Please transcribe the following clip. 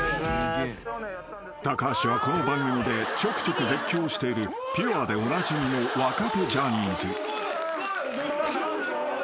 ［橋はこの番組でちょくちょく絶叫しているピュアでおなじみの若手ジャニーズ］